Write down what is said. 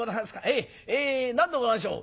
ええ何でございましょう？」。